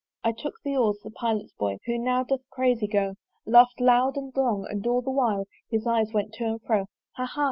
I took the oars: the Pilot's boy, Who now doth crazy go, Laugh'd loud and long, and all the while His eyes went to and fro, "Ha! ha!"